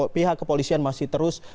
pihak kepolisian masih terus